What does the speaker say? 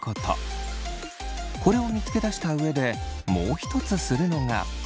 これを見つけ出した上でもう一つするのが。